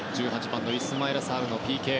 １８番のイスマイラ・サールのＰＫ。